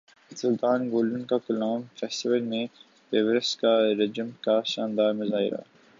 سلطان Golden کا Kalam festival میں reverse car jump کا شاندار مظاہرہ